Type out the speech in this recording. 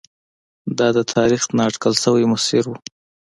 دا د تاریخ نا اټکل شوی مسیر و.